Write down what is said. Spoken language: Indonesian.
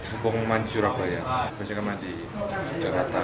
hubungan surabaya berjaga jaga di jakarta